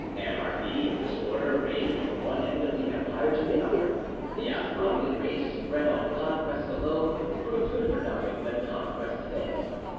Anarchy and disorder reigned from one end of the empire to the other. The Osmanli race, bred on conquest alone, proved good for nothing when conquest failed.